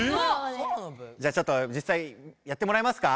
じゃあちょっとじっさいやってもらえますか？